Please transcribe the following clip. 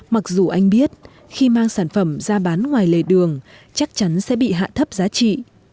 mặc dù anh biết khi mang sản phẩm ra bán ngoài lề đường chắc chắn sẽ bị hạ thấp giá trị